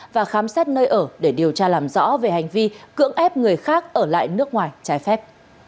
và khám xét nơi ở để điều tra làm rõ về hành vi cưỡng ép người khác ở lại nước ngoài trái phép